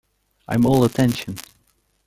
I am all attention.